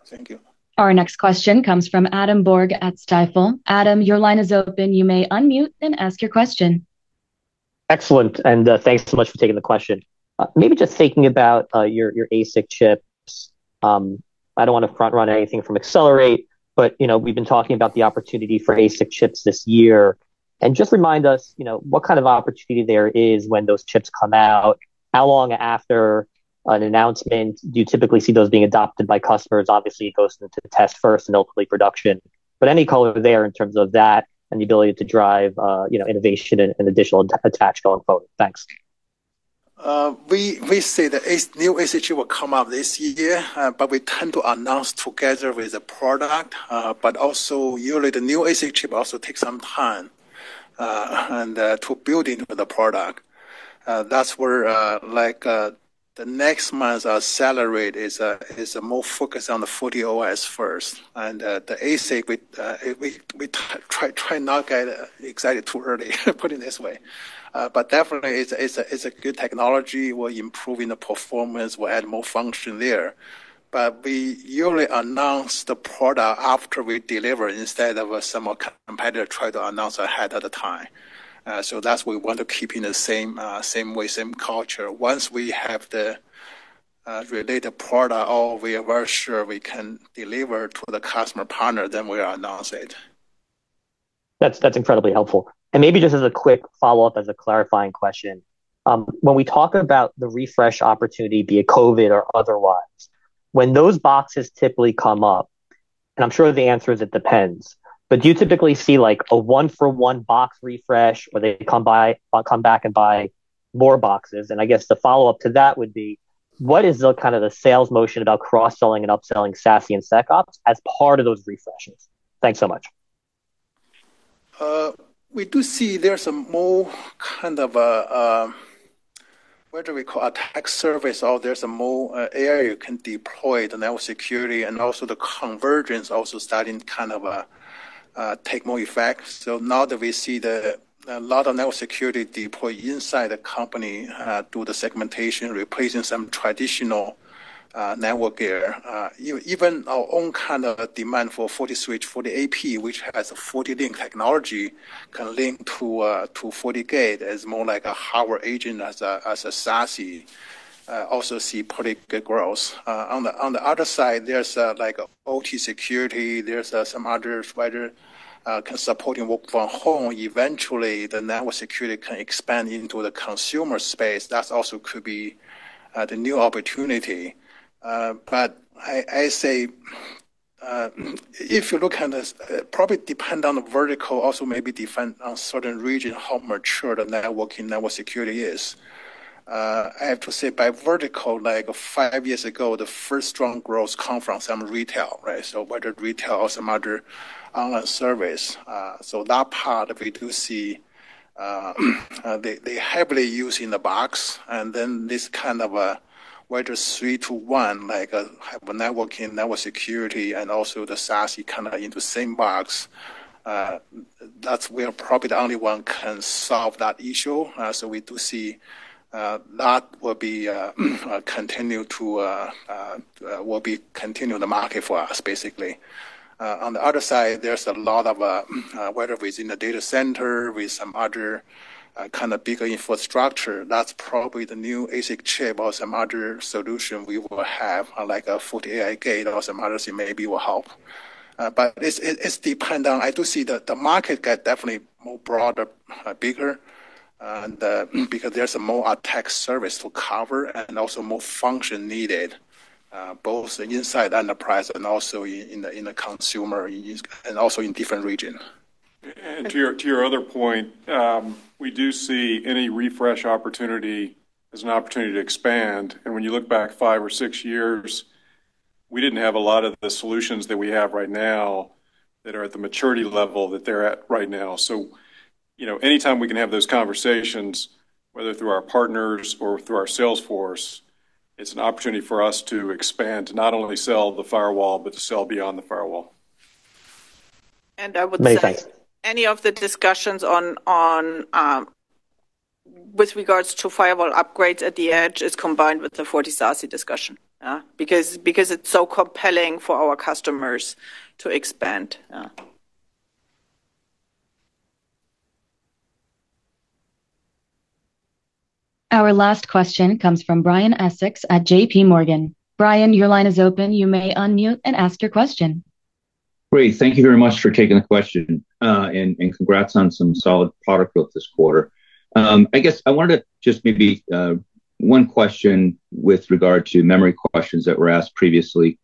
Thank you. Our next question comes from Adam Borg at Stifel. Adam, your line is open. You may unmute and ask your question. Excellent. Thanks so much for taking the question. Maybe just thinking about your ASIC chips. I don't want to front-run anything from Accelerate, but we've been talking about the opportunity for ASIC chips this year. Just remind us what kind of opportunity there is when those chips come out. How long after an announcement do you typically see those being adopted by customers? Obviously, it goes into test first and ultimately production. Any color there in terms of that and the ability to drive innovation and additional attached going forward? Thanks. We see the new ASIC chip will come out this year, but we tend to announce together with the product. But also usually the new ASIC chip also takes some time to build into the product. That's where the next months acceleration is more focused on the FortiOS first. And the ASIC, we try not to get excited too early, put it this way. But definitely it's a good technology. We're improving the performance. We'll add more function there. But we usually announce the product after we deliver instead of some competitor trying to announce ahead of time. So that's why we want to keep in the same way, same culture. Once we have the related product or we are very sure we can deliver to the customer partner, then we announce it. That's incredibly helpful. Maybe just as a quick follow-up as a clarifying question, when we talk about the refresh opportunity, be it COVID or otherwise, when those boxes typically come up, and I'm sure the answer is it depends, but do you typically see a one-for-one box refresh where they come back and buy more boxes? I guess the follow-up to that would be, what is the kind of the sales motion about cross-selling and upselling SASE and SecOps as part of those refreshes? Thanks so much. We do see there's more kind of what do we call attack surface or there's more area you can deploy the network security and also the convergence also starting kind of take more effect. So now that we see a lot of network security deploy inside the company do the segmentation, replacing some traditional network gear. Even our own kind of demand for FortiSwitch, FortiAP, which has a FortiLink technology can link to FortiGate as more like a hardware agent as a SASE also see pretty good growth. On the other side, there's OT security. There's some other wider supporting work from home. Eventually, the network security can expand into the consumer space. That also could be the new opportunity. But I say if you look at this, it probably depends on the vertical, also maybe depend on certain region how mature the networking network security is. I have to say, by vertical, like five years ago, the first strong growth in consumer, some retail, right? So, in retail or some other online service. So that part, we do see they heavily use in the box. And then this kind of with a 3-to-1 like networking network security and also the SASE kind of into the same box. That's where probably the only one can solve that issue. So we do see that will continue to be the market for us, basically. On the other side, there's a lot of where we're in the data center with some other kind of bigger infrastructure. That's probably the new FortiASIC chip or some other solution we will have like a FortiGate or some other thing maybe will help. But it depends on. I do see the market get definitely more broader, bigger because there's more attack surface to cover and also more function needed both inside enterprise and also in the consumer and also in different region. To your other point, we do see any refresh opportunity as an opportunity to expand. When you look back 5 or 6 years, we didn't have a lot of the solutions that we have right now that are at the maturity level that they're at right now. Anytime we can have those conversations, whether through our partners or through our sales force, it's an opportunity for us to expand to not only sell the firewall, but to sell beyond the firewall. I would say any of the discussions with regards to firewall upgrades at the edge is combined with the FortiSASE discussion because it's so compelling for our customers to expand. Our last question comes from Brian Essex at J.P. Morgan. Brian, your line is open. You may unmute and ask your question. Great. Thank you very much for taking the question and congrats on some solid product growth this quarter. I guess I wanted to just maybe one question with regard to memory questions that were asked previously.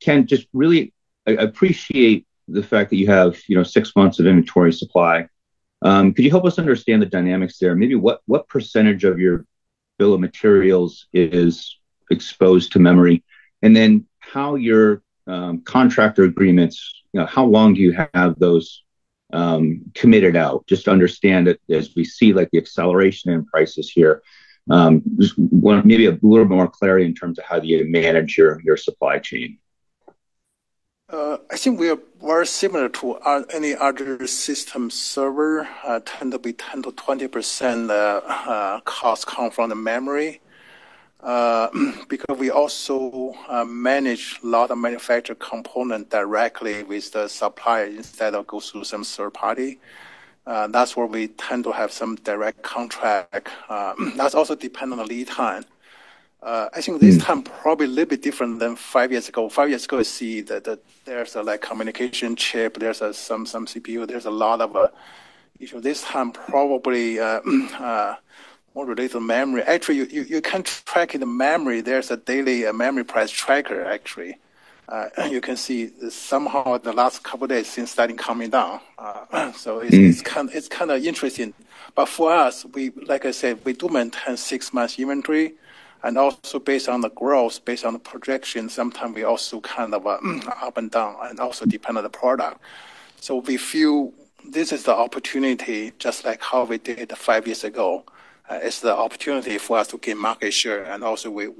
Ken, just really appreciate the fact that you have six months of inventory supply. Could you help us understand the dynamics there? Maybe what percentage of your bill of materials is exposed to memory? And then how your contractor agreements, how long do you have those committed out? Just to understand it as we see the acceleration in prices here. Maybe a little bit more clarity in terms of how do you manage your supply chain? I think we are similar to any other system server. Tend to be 10%-20% cost come from the memory because we also manage a lot of manufacturer component directly with the supplier instead of go through some third party. That's where we tend to have some direct contract. That's also depending on the lead time. I think this time probably a little bit different than five years ago. Five years ago, I see that there's a communication chip. There's some CPU. There's a lot of issues. This time probably more related to memory. Actually, you can track in the memory. There's a daily memory price tracker, actually. And you can see somehow the last couple of days since starting coming down. So it's kind of interesting. But for us, like I said, we do maintain six months inventory. Also based on the growth, based on the projection, sometimes we also kind of up and down and also depend on the product. We feel this is the opportunity just like how we did five years ago. It's the opportunity for us to gain market share. We're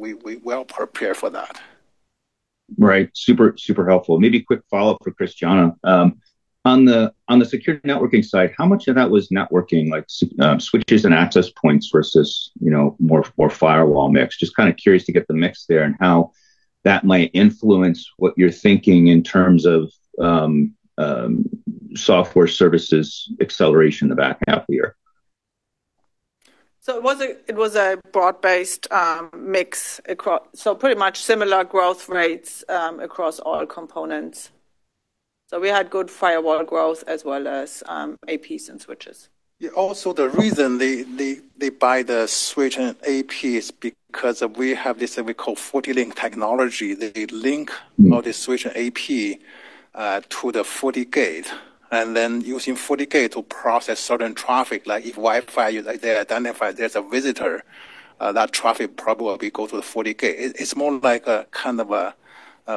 well prepared for that. Right. Super, super helpful. Maybe quick follow-up for Christiane. On the secure networking side, how much of that was networking, like switches and access points versus more firewall mix? Just kind of curious to get the mix there and how that might influence what you're thinking in terms of software services acceleration in the back half here. So it was a broad-based mix. So pretty much similar growth rates across all components. So we had good firewall growth as well as APs and switches. Yeah. Also, the reason they buy the FortiSwitch and FortiAP is because we have this what we call FortiLink technology. They link all the FortiSwitch and FortiAP to the FortiGate. And then, using FortiGate to process certain traffic, like if Wi-Fi, they identify there's a visitor, that traffic probably goes to the FortiGate. It's more like a kind of a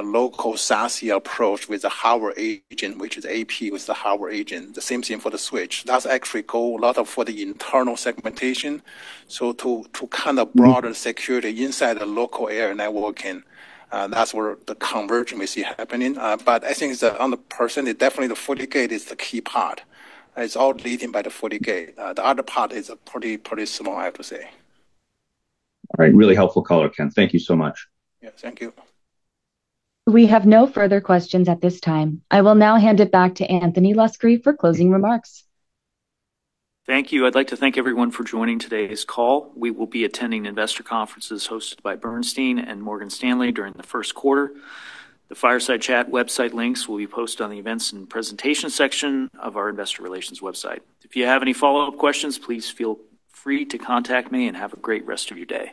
local SASE approach with a hardware agent, which is FortiAP with the hardware agent. The same thing for the FortiSwitch. That's actually a lot for the internal segmentation. So to kind of broaden security inside the local area networking, that's where the convergence we see happening. But I think on the percentage, definitely the FortiGate is the key part. It's all led by the FortiGate. The other part is pretty small, I have to say. All right. Really helpful color, Ken. Thank you so much. Yeah. Thank you. We have no further questions at this time. I will now hand it back to Anthony Luscri for closing remarks. Thank you. I'd like to thank everyone for joining today's call. We will be attending investor conferences hosted by Bernstein and Morgan Stanley during the first quarter. The Fireside Chat website links will be posted on the events and presentation section of our investor relations website. If you have any follow-up questions, please feel free to contact me and have a great rest of your day.